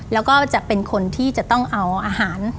แล้วก็จะเป็นคนที่จะต้องเอาอาหาร